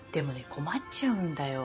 困っちゃうんだよ。